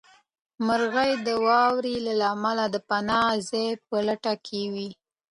مرغۍ د واورې له امله د پناه ځای په لټه کې وې.